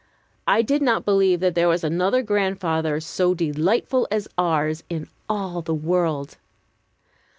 I did not believe that there was another grandfather so delightful as ours in all the world.